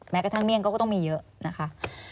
กระทั่งเมี่ยงก็ต้องมีเยอะนะคะ